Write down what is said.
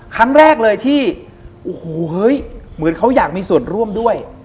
ครั้งแรกเลยที่เหมือนเขาอยากมีส่วนร่วมด้วย